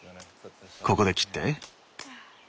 ここで切って。